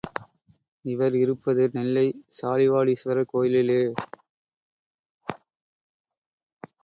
இவர் இருப்பது நெல்லை சாலிவாடீஸ்வரர் கோயிலிலே.